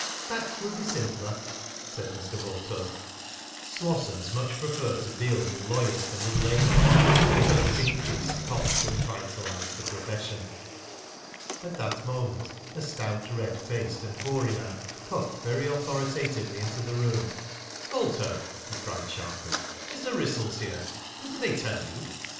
"That will be simpler," said Mr. Vulto. Slossons much preferred to deal with lawyers than with laymen, because it increased costs and vitalised the profession. At that moment a stout, red faced, and hoary man puffed very authoritatively into the room. "Vulto," he cried sharply, "Mr. Wrissell's here. Didn't they tell you?"